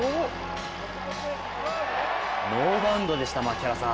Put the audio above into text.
ノーバウンドでした、槙原さん。